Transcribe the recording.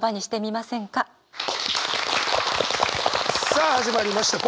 さあ始まりました。